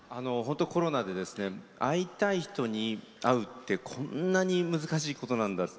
コロナでですね会いたい人に会うってこんなに難しいことなんだって